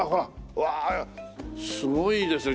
うわすごいですね。